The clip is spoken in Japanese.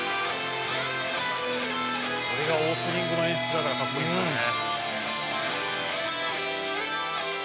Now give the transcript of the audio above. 「これがオープニングの演出だから格好いいんですよね」